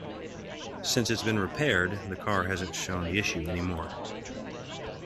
Since it's been repaired, the car hasn't shown the issue any more.